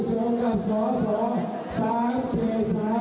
ต้องช่วยแปลอีกนิดนึงเพราะว่าเสียงสินหวัง